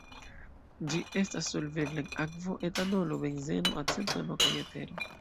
Ĝi estas solvebla en akvo, etanolo, benzeno, acetono kaj etero.